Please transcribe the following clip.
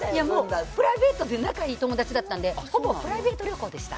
プライベートで仲いい友達だったんで、ほぼプライベート旅行でした。